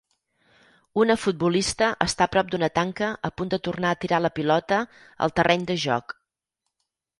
Una futbolista està a prop d'una tanca a punt de tornar a tirar la pilota al terreny de joc.